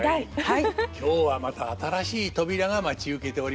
今日はまた新しい扉が待ち受けておりますよ。